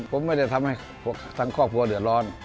ผมไม่ได้ทำให้ทั้งครอบครัวเดือดร้อน